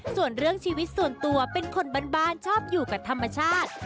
ส่วนเรื่องชีวิตส่วนตัวเป็นคนบ้านชอบอยู่กับธรรมชาติ